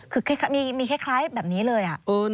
คือมีคล้ายแบบนี้เลย